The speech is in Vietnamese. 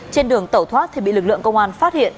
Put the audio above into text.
trên đường tẩu thoát thì bị lực lượng công an phát hiện